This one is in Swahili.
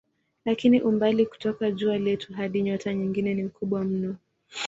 Lakini umbali kutoka jua letu hadi nyota nyingine ni mkubwa mno.